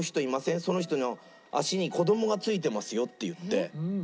「その人の足に子どもがついてますよ」って言って。